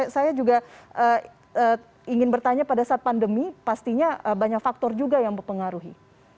saya juga ingin bertanya pada saat pandemi pastinya banyak faktor juga yang mempengaruhi